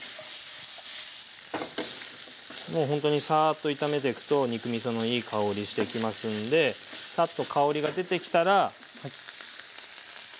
もうほんとにサーッと炒めていくと肉みそのいい香りしてきますんでサッと香りが出てきたら高菜。